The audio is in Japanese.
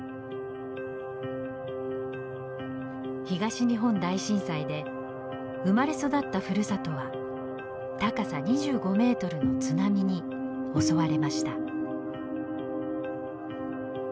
東日本大震災で生まれ育ったふるさとは高さ２５メートルの津波に襲われました。